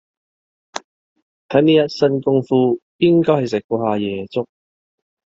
睇你一身功夫，應該係食過吓夜粥